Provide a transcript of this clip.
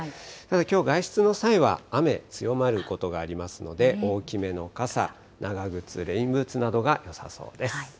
きょう、外出の際は雨強まることがありますので、大きめの傘、長靴、レインブーツなどがよさそうです。